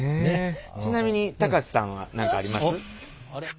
ちなみに高瀬さんは何かあります？